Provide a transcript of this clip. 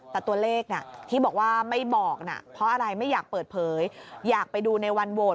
แต่ตัวเลขที่บอกว่าไม่บอกนะเพราะอะไรไม่อยากเปิดเผยอยากไปดูในวันโหวต